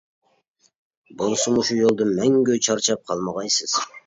بولسا مۇشۇ يولدا مەڭگۈ چارچاپ قالمىغايسىز!